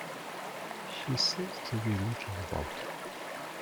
He seemed to be looking about.